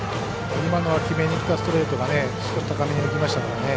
今のは決めにいったストレートが少し高めに浮きましたからね。